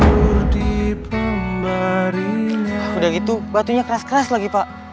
aduh udah gitu batunya keras keras lagi pak